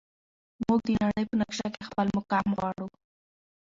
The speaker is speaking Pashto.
موږ د نړۍ په نقشه کې خپل مقام غواړو.